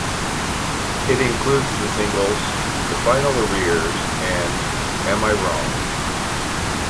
It includes the singles "The Final Arrears" and "Am I Wrong".